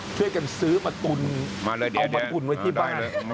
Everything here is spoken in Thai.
ช่วยกันซื้อมาตุนเอามาตุนไว้ที่บ้าน